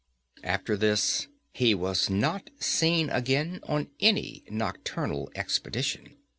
After this he was not seen again on any nocturnal expedition.